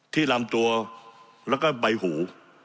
ลำตัวแล้วก็ใบหู